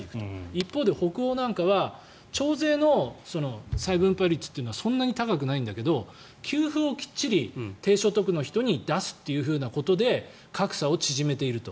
一方で北欧なんかは徴税の再分配率というのはそんなに高くないんだけど給付をきっちり低所得の人に出すということで格差を縮めていると。